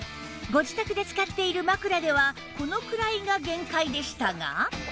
ご自宅で使っている枕ではこのくらいが限界でしたが